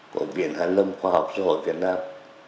của viện hàn lâm khoa học xã hội việt nam